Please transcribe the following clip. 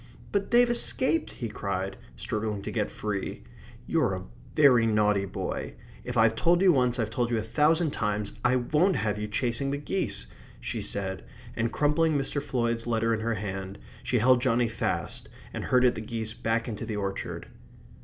"But they'd escaped!" he cried, struggling to get free. "You're a very naughty boy. If I've told you once, I've told you a thousand times. I won't have you chasing the geese!" she said, and crumpling Mr. Floyd's letter in her hand, she held Johnny fast and herded the geese back into the orchard.